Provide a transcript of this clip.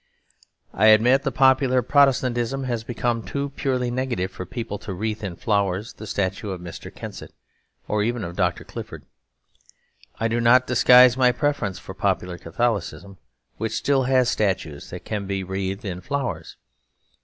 I admit that popular Protestantism has become too purely negative for people to wreathe in flowers the statue of Mr. Kensit or even of Dr. Clifford. I do not disguise my preference for popular Catholicism; which still has statues that can be wreathed in flowers.